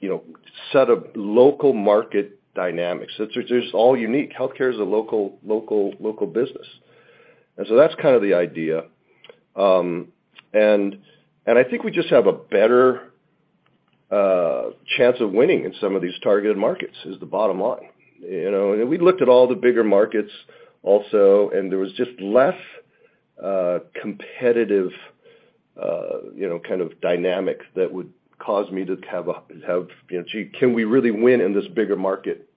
Speaker 2: you know, set of local market dynamics. It's just all unique. Healthcare is a local business. That's kind of the idea. I think we just have a better chance of winning in some of these targeted markets, is the bottom line. You know, we looked at all the bigger markets also, and there was just less competitive dynamics that would cause me to have, you know, gee, can we really win in this bigger market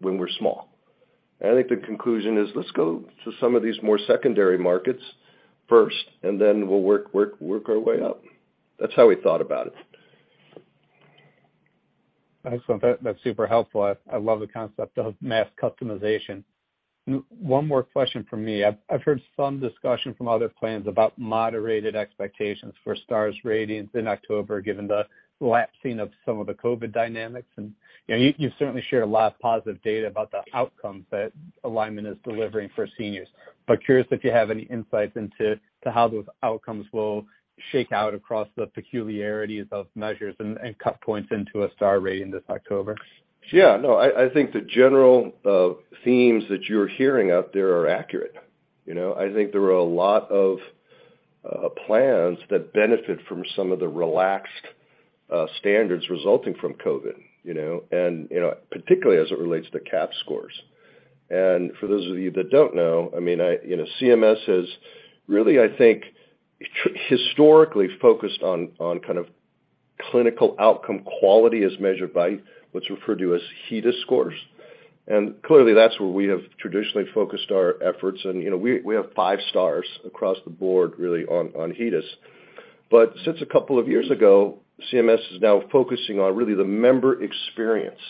Speaker 2: when we're small? I think the conclusion is let's go to some of these more secondary markets first, and then we'll work our way up. That's how we thought about it.
Speaker 8: Excellent. That's super helpful. I love the concept of mass customization. One more question from me. I've heard some discussion from other plans about moderated expectations for Stars ratings in October, given the lapsing of some of the COVID dynamics. You know, you certainly share a lot of positive data about the outcomes that Alignment is delivering for seniors. Curious if you have any insights into how those outcomes will shake out across the peculiarities of measures and cut points into a Stars rating this October?
Speaker 2: I think the general themes that you're hearing out there are accurate. You know, I think there were a lot of plans that benefit from some of the relaxed standards resulting from COVID, you know, and, you know, particularly as it relates to CAHPS scores. For those of you that don't know, you know, CMS has really, I think, historically focused on kind of clinical outcome quality as measured by what's referred to as HEDIS scores. Clearly, that's where we have traditionally focused our efforts. You know, we have five stars across the board really on HEDIS. But since a couple of years ago, CMS is now focusing on really the member experience.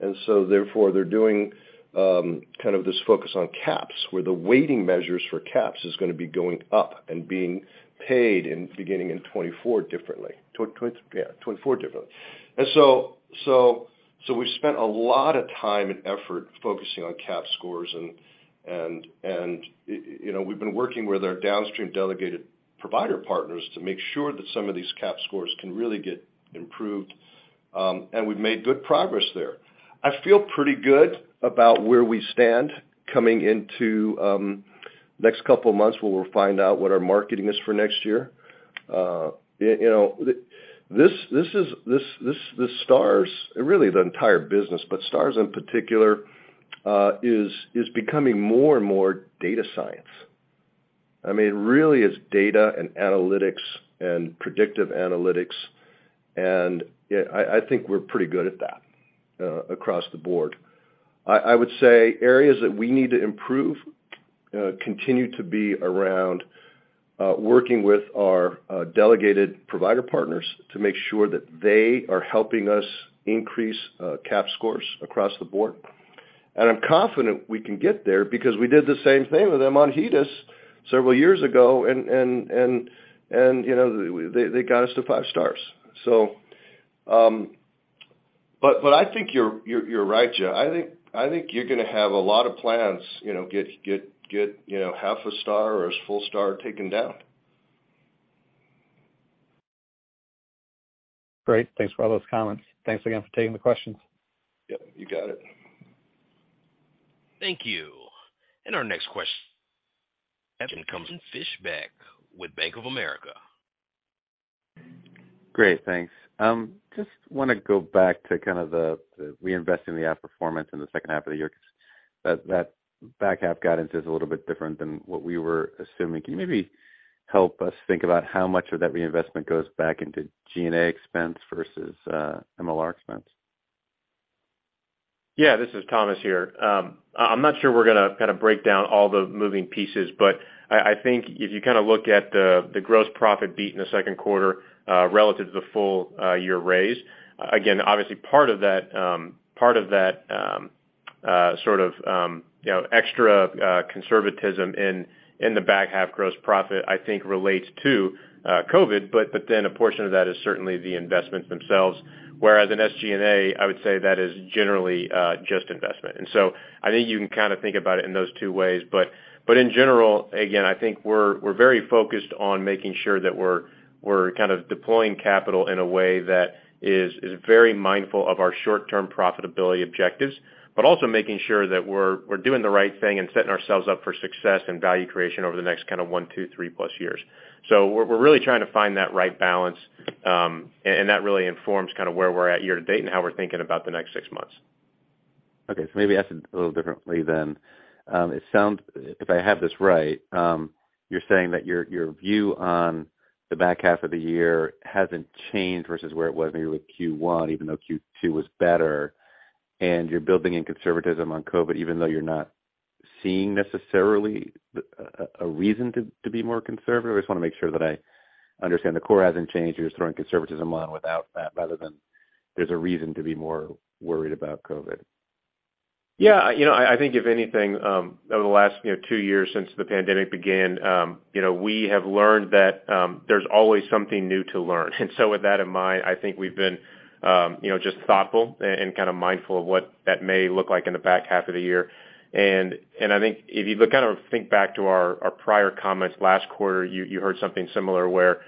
Speaker 2: Therefore, they're doing kind of this focus on CAHPS, where the weighting measures for CAHPS is gonna be going up and being paid beginning in 2024 differently. 2024 differently. So we've spent a lot of time and effort focusing on CAHPS scores and, you know, we've been working with our downstream delegated provider partners to make sure that some of these CAHPS scores can really get improved, and we've made good progress there. I feel pretty good about where we stand coming into next couple of months where we'll find out what our marketing is for next year. This Stars, really the entire business, but Stars in particular, is becoming more and more data science. I mean, really it's data and analytics and predictive analytics, and I think we're pretty good at that across the board. I would say areas that we need to improve continue to be around working with our delegated provider partners to make sure that they are helping us increase CAHPS scores across the board. I'm confident we can get there because we did the same thing with them on HEDIS several years ago and you know, they got us to five stars. But I think you're right, Jeff. I think you're gonna have a lot of plans, you know, get you know, half a star or a full star taken down.
Speaker 8: Great. Thanks for all those comments. Thanks again for taking the questions.
Speaker 2: Yeah, you got it.
Speaker 1: Thank you. Our next question comes from Kevin Fischbeck with Bank of America.
Speaker 9: Great, thanks. Just wanna go back to kind of the reinvest in the outperformance in the second half of the year, 'cause that back half guidance is a little bit different than what we were assuming. Can you maybe help us think about how much of that reinvestment goes back into G&A expense versus MLR expense?
Speaker 3: Yeah, this is Thomas here. I'm not sure we're gonna kinda break down all the moving pieces, but I think if you kinda look at the gross profit beat in the second quarter, relative to the full year raise, again, obviously part of that sort of, you know, extra conservatism in the back half gross profit, I think relates to COVID, but then a portion of that is certainly the investments themselves, whereas in SG&A, I would say that is generally just investment. I think you can kind of think about it in those two ways. In general, again, I think we're very focused on making sure that we're kind of deploying capital in a way that is very mindful of our short-term profitability objectives, but also making sure that we're doing the right thing and setting ourselves up for success and value creation over the next kind of one-, two-, three-plus years. We're really trying to find that right balance, and that really informs kind of where we're at year-to-date and how we're thinking about the next six months.
Speaker 9: Okay. Maybe ask it a little differently then. It sounds, if I have this right, you're saying that your view on the back half of the year hasn't changed versus where it was maybe with Q1, even though Q2 was better, and you're building in conservatism on COVID, even though you're not seeing necessarily a reason to be more conservative? I just wanna make sure that I understand. The core hasn't changed, you're just throwing conservatism on without that, rather than there's a reason to be more worried about COVID.
Speaker 3: Yeah. You know, I think if anything, over the last, you know, two years since the pandemic began, you know, we have learned that there's always something new to learn. With that in mind, I think we've been, you know, just thoughtful and kind of mindful of what that may look like in the back half of the year. I think if you look back to our prior comments last quarter, you heard something similar where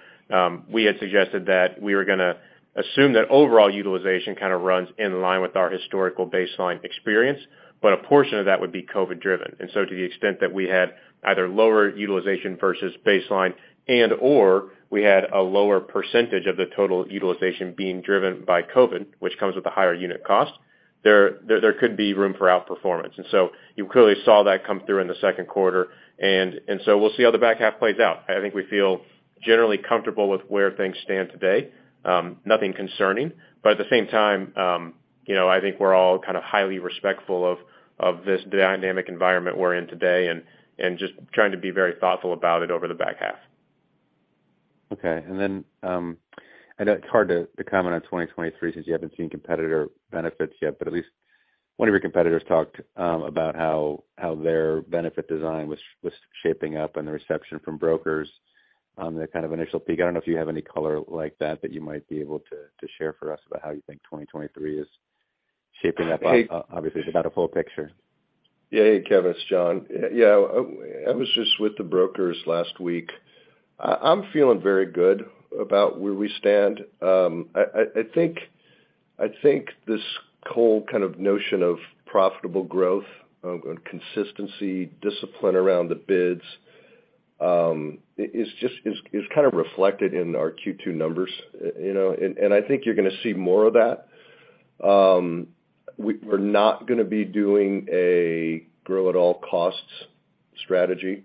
Speaker 3: we had suggested that we were gonna assume that overall utilization kind of runs in line with our historical baseline experience, but a portion of that would be COVID-driven. To the extent that we had either lower utilization versus baseline and/or we had a lower percentage of the total utilization being driven by COVID, which comes with a higher unit cost, there could be room for outperformance. You clearly saw that come through in the second quarter. We'll see how the back half plays out. I think we feel generally comfortable with where things stand today. Nothing concerning. At the same time, you know, I think we're all kind of highly respectful of this dynamic environment we're in today and just trying to be very thoughtful about it over the back half.
Speaker 9: Okay. I know it's hard to comment on 2023 since you haven't seen competitor benefits yet, but at least one of your competitors talked about how their benefit design was shaping up and the reception from brokers on the kind of initial peek. I don't know if you have any color like that that you might be able to share for us about how you think 2023 is shaping up. Obviously it's not a full picture.
Speaker 2: Yeah, hey, Kevin, it's John. Yeah, I was just with the brokers last week. I'm feeling very good about where we stand. I think this whole kind of notion of profitable growth, consistency, discipline around the bids, is just kind of reflected in our Q2 numbers, you know. I think you're gonna see more of that. We're not gonna be doing a grow-at-all-costs strategy.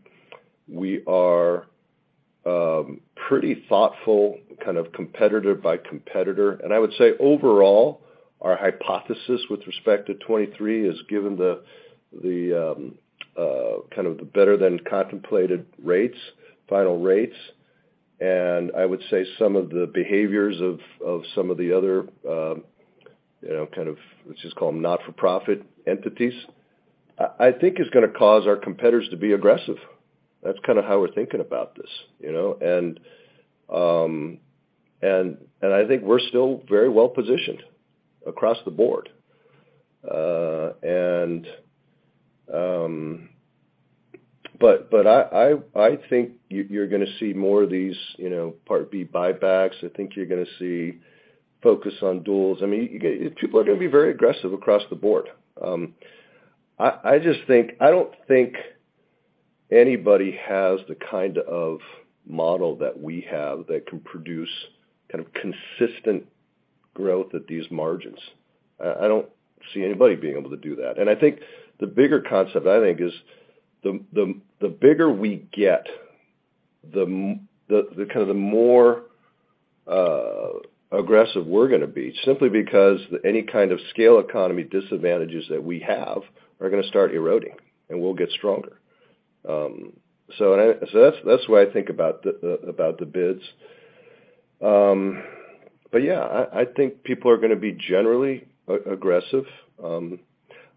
Speaker 2: We are pretty thoughtful kind of competitor by competitor. I would say overall, our hypothesis with respect to 2023 is given the better than contemplated rates, final rates. I would say some of the behaviors of some of the other, you know, kind of, let's just call them not-for-profit entities, I think is gonna cause our competitors to be aggressive. That's kinda how we're thinking about this, you know? I think we're still very well-positioned across the board. I think you're gonna see more of these, you know, Part B buybacks. I think you're gonna see focus on duals. I mean, people are gonna be very aggressive across the board. I just think I don't think anybody has the kind of model that we have that can produce kind of consistent growth at these margins. I don't see anybody being able to do that. I think the bigger concept is the bigger we get, the kind of more aggressive we're gonna be, simply because any kind of scale economy disadvantages that we have are gonna start eroding, and we'll get stronger. That's the way I think about the bids. Yeah, I think people are gonna be generally aggressive.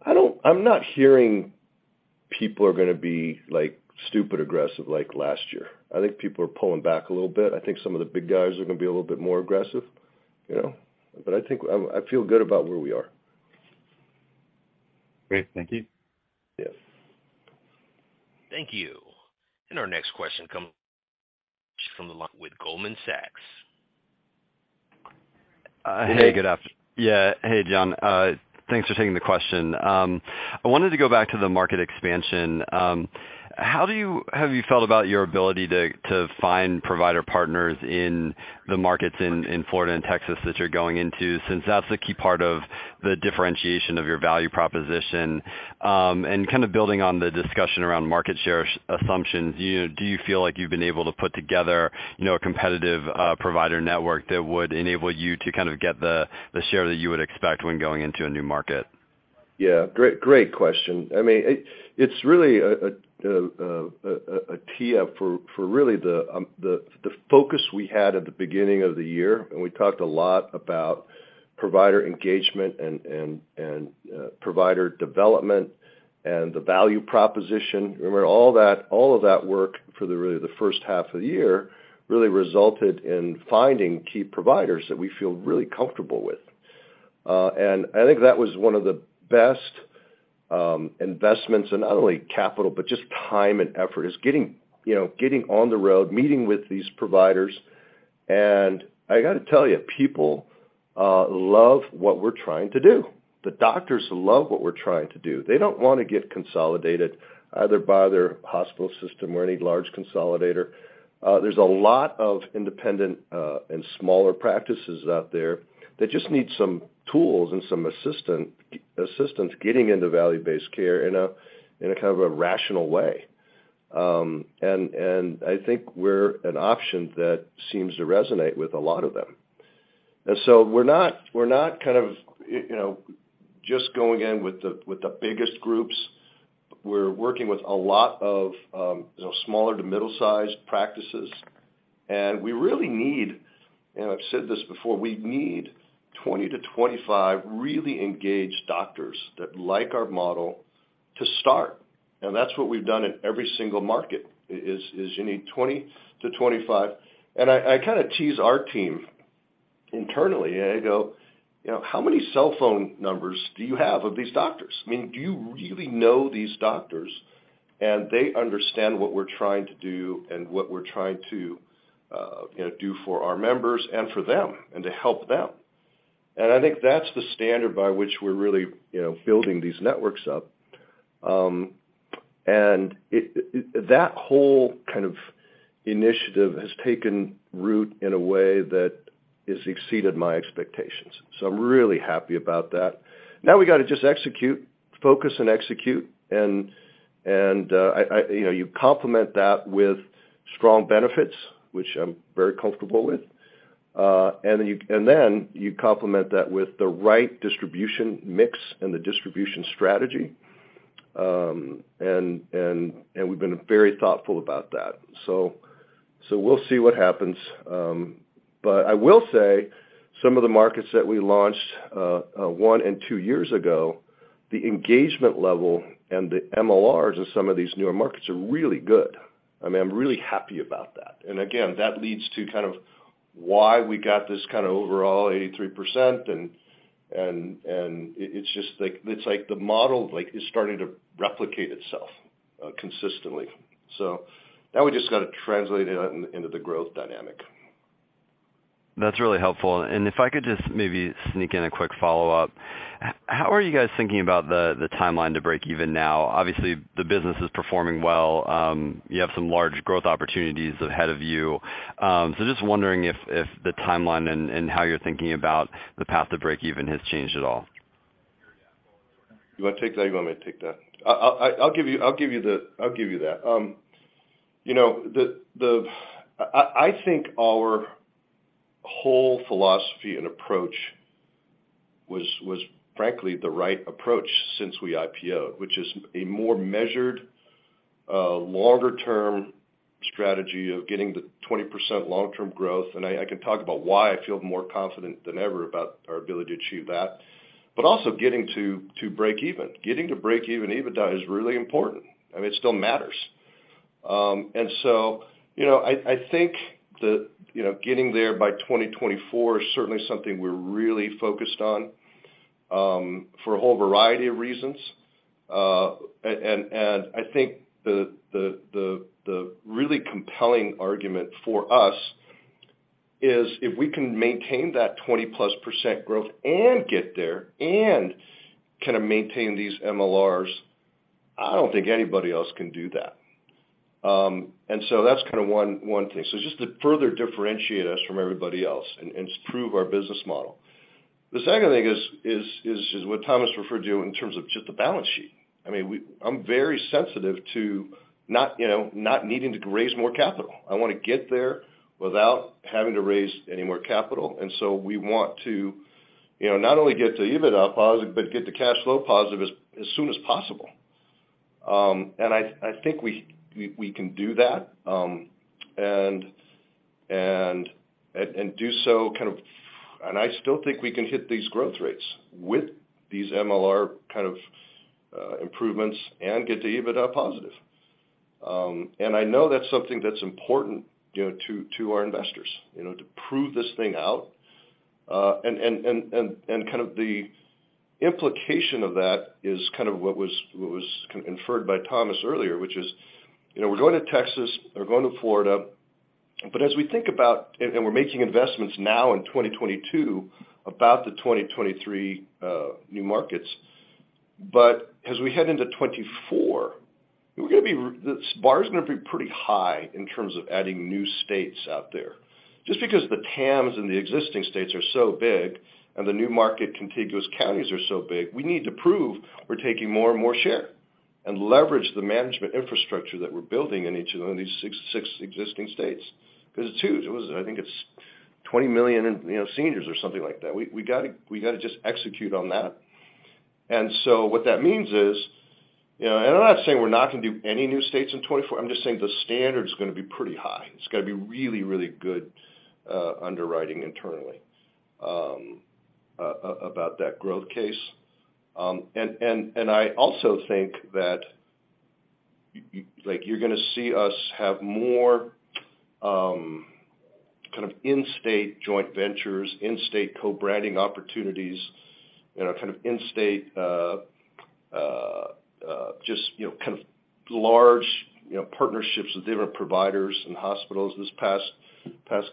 Speaker 2: I'm not hearing people are gonna be, like, stupid aggressive like last year. I think people are pulling back a little bit. I think some of the big guys are gonna be a little bit more aggressive, you know? I feel good about where we are.
Speaker 9: Great. Thank you.
Speaker 2: Yes.
Speaker 1: Thank you. Our next question comes from the line with Goldman Sachs. Hey, John. Thanks for taking the question. I wanted to go back to the market expansion. How have you felt about your ability to find provider partners in the markets in Florida and Texas that you're going into, since that's a key part of the differentiation of your value proposition? And kind of building on the discussion around market share assumptions, you know, do you feel like you've been able to put together, you know, a competitive provider network that would enable you to kind of get the share that you would expect when going into a new market?
Speaker 2: Yeah. Great question. I mean, it's really a tee up for really the focus we had at the beginning of the year, and we talked a lot about provider engagement and provider development and the value proposition. Remember all that, all of that work for really the first half of the year really resulted in finding key providers that we feel really comfortable with. I think that was one of the best investments in not only capital, but just time and effort, is getting you know on the road, meeting with these providers. I gotta tell you, people love what we're trying to do. The doctors love what we're trying to do. They don't wanna get consolidated either by their hospital system or any large consolidator. There's a lot of independent and smaller practices out there that just need some tools and some assistance getting into value-based care in a kind of a rational way. I think we're an option that seems to resonate with a lot of them. We're not kind of you know just going in with the biggest groups. We're working with a lot of you know smaller- to middle-sized practices. We really need, and I've said this before, we need 20 to 25 really engaged doctors that like our model to start. That's what we've done in every single market is you need 20 to 25. I kinda tease our team internally and I go, you know, "How many cell phone numbers do you have of these doctors? I mean, do you really know these doctors?" They understand what we're trying to do and what we're trying to, you know, do for our members and for them, and to help them. I think that's the standard by which we're really, you know, building these networks up. That whole kind of initiative has taken root in a way that has exceeded my expectations. I'm really happy about that. Now we gotta just execute, focus and execute. You know, you complement that with strong benefits, which I'm very comfortable with. And then you complement that with the right distribution mix and the distribution strategy. We've been very thoughtful about that. We'll see what happens. I will say some of the markets that we launched one and two years ago, the engagement level and the MLRs in some of these newer markets are really good. I mean, I'm really happy about that. Again, that leads to kind of why we got this kind of overall 83% and it's like the model, like, is starting to replicate itself consistently. Now we just gotta translate it into the growth dynamic.
Speaker 10: That's really helpful. If I could just maybe sneak in a quick follow-up. How are you guys thinking about the timeline to break even now? Obviously, the business is performing well. You have some large growth opportunities ahead of you. Just wondering if the timeline and how you're thinking about the path to break even has changed at all.
Speaker 2: You wanna take that or you want me to take that? I'll give you that. You know, I think our whole philosophy and approach was frankly the right approach since we IPO'd, which is a more measured longer-term strategy of getting the 20% long-term growth. I can talk about why I feel more confident than ever about our ability to achieve that, but also getting to break even. Getting to break even EBITDA is really important. I mean, it still matters. You know, I think that getting there by 2024 is certainly something we're really focused on, for a whole variety of reasons. I think the really compelling argument for us is if we can maintain that 20%+ growth and get there and kinda maintain these MLRs, I don't think anybody else can do that. That's kinda one thing. Just to further differentiate us from everybody else and prove our business model. The second thing is what Thomas referred to in terms of just the balance sheet. I mean, I'm very sensitive to not, you know, not needing to raise more capital. I wanna get there without having to raise any more capital. We want to, you know, not only get to EBITDA positive, but get to cash flow positive as soon as possible. I think we can do that and do so kind of. I still think we can hit these growth rates with these MLR kind of improvements and get to EBITDA positive. I know that's something that's important, you know, to our investors, you know, to prove this thing out. The implication of that is kind of what was kind of inferred by Thomas earlier, which is, you know, we're going to Texas, we're going to Florida, but as we think about— We're making investments now in 2022 about the 2023 new markets. As we head into 2024, the bar's gonna be pretty high in terms of adding new states out there. Just because the TAMs in the existing states are so big and the new market contiguous counties are so big, we need to prove we're taking more and more share and leverage the management infrastructure that we're building in each of these six existing states. 'Cause it's huge. I think it's 20 million in, you know, seniors or something like that. We gotta just execute on that. What that means is, you know, I'm not saying we're not gonna do any new states in 2024. I'm just saying the standard is gonna be pretty high. It's gotta be really, really good, underwriting internally, about that growth case. I also think that like you're gonna see us have more, kind of in-state joint ventures, in-state co-branding opportunities, you know, kind of in-state, just, you know, kind of large, you know, partnerships with different providers and hospitals. This past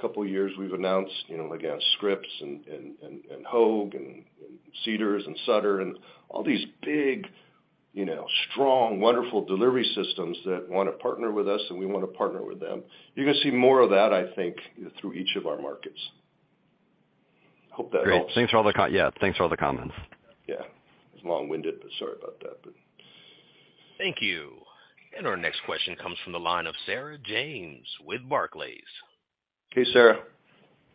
Speaker 2: couple years we've announced, you know, again, Scripps and Hoag and Cedars and Sutter and all these big, you know, strong, wonderful delivery systems that wanna partner with us and we wanna partner with them. You're gonna see more of that, I think, through each of our markets. Hope that helps.
Speaker 10: Great. Thanks for all the comments.
Speaker 2: Yeah. It was long-winded, but sorry about that, but.
Speaker 1: Thank you. Our next question comes from the line of Sarah James with Barclays.
Speaker 2: Hey, Sarah.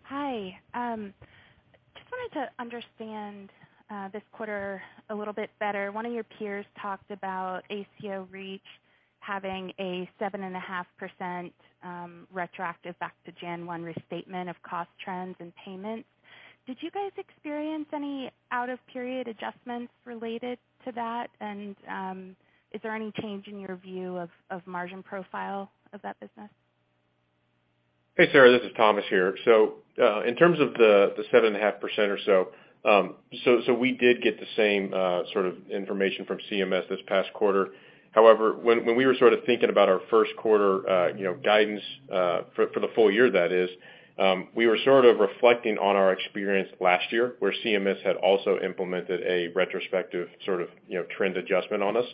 Speaker 11: Hi. Just wanted to understand this quarter a little bit better. One of your peers talked about ACO REACH having a 7.5% retroactive back to January 1 restatement of cost trends and payments. Did you guys experience any out-of-period adjustments related to that? Is there any change in your view of margin profile of that business?
Speaker 3: Hey, Sarah. This is Thomas here. In terms of the 7.5% or so, we did get the same sort of information from CMS this past quarter. However, when we were sort of thinking about our first quarter, you know, guidance for the full year that is, we were sort of reflecting on our experience last year, where CMS had also implemented a retrospective sort of, you know, trend adjustment on us.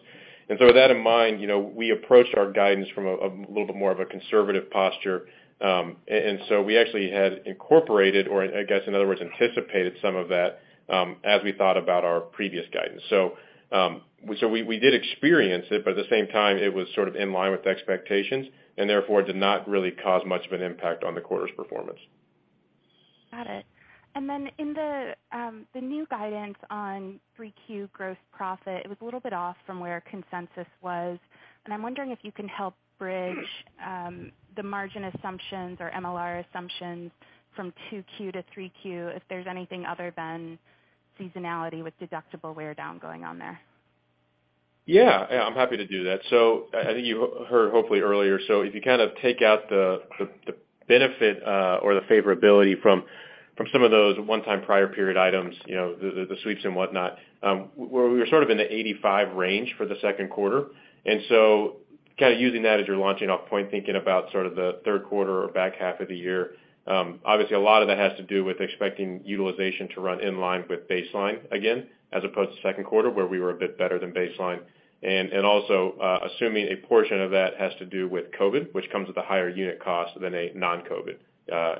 Speaker 3: With that in mind, you know, we approached our guidance from a little bit more of a conservative posture. We actually had incorporated, or I guess, in other words, anticipated some of that, as we thought about our previous guidance. We did experience it, but at the same time, it was sort of in line with expectations and therefore did not really cause much of an impact on the quarter's performance.
Speaker 11: Got it. In the new guidance on 3Q gross profit, it was a little bit off from where consensus was, and I'm wondering if you can help bridge the margin assumptions or MLR assumptions from 2Q to 3Q, if there's anything other than seasonality with deductible wear down going on there.
Speaker 3: Yeah. Yeah, I'm happy to do that. I think you heard hopefully earlier, so if you kind of take out the benefit or the favorability from some of those one-time prior period items, you know, the sweeps and whatnot, we're sort of in the 85% range for the second quarter. Kinda using that as your launching off point, thinking about sort of the third quarter or back half of the year, obviously a lot of that has to do with expecting utilization to run in line with baseline again, as opposed to second quarter where we were a bit better than baseline. Also, assuming a portion of that has to do with COVID, which comes with a higher unit cost than a non-COVID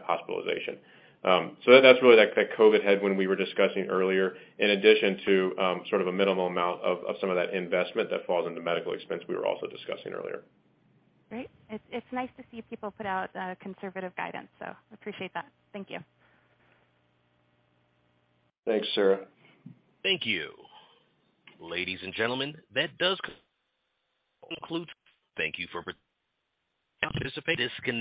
Speaker 3: hospitalization. That's really that COVID headwind when we were discussing earlier, in addition to sort of a minimal amount of some of that investment that falls into medical expense we were also discussing earlier.
Speaker 11: Great. It's nice to see people put out conservative guidance, so appreciate that. Thank you.
Speaker 2: Thanks, Sarah.
Speaker 1: Thank you. Ladies and gentlemen, that does conclude. Thank you for participating. disconnect.